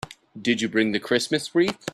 Did you bring the Christmas wreath?